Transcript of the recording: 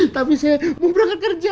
tapi saya mau berangkat kerja